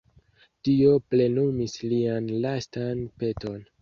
Dio plenumis lian lastan peton.